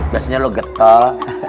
jelasnya lo getol